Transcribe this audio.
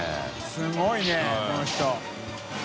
すごいねこの人。